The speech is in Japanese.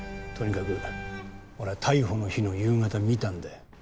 とにかく俺は逮捕の日の夕方見たんだよ